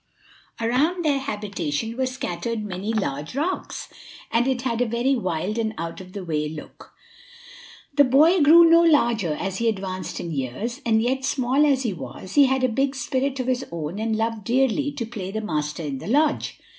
Around their habitation were scattered many large rocks, and it had a very wild and out of the way look. The boy grew no larger as he advanced in years, and yet, small as he was, he had a big spirit of his own and loved dearly to play the master in the lodge.